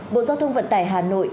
bộ giao thông vận tải hà nội